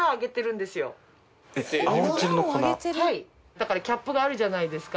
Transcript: だからキャップがあるじゃないですか。